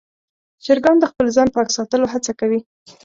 چرګان د خپل ځان پاک ساتلو هڅه کوي.